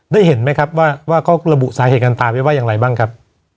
ได้ไหมครับว่าเขาระบุสาเหตุการตายไว้ว่าอย่างไรบ้างครับ